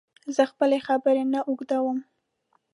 زه خپلي خبري نه اوږدوم